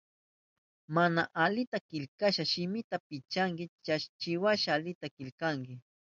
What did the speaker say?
Mana alita killkashka shimita pichanki, chaywasha alita killkanki.